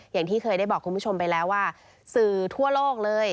อย่างที่เคยได้บอกคุณผู้ชมไปแล้วว่าสื่อทั่วโลกเลย